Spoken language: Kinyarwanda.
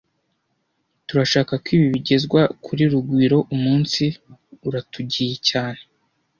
Turashaka ko ibi bigezwa kuri Rugwiro umunsi uratugiye cyane